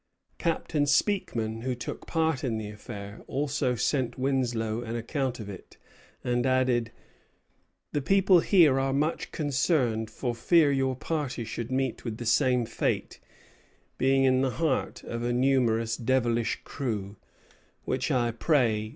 Captain Speakman, who took part in the affair, also sent Winslow an account of it, and added: "The people here are much concerned for fear your party should meet with the same fate (being in the heart of a numerous devilish crew), which I pray God avert."